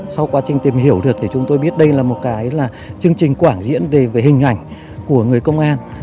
sau quá trình tìm hiểu được thì chúng tôi biết đây là một cái là chương trình quảng diễn về hình ảnh của người công an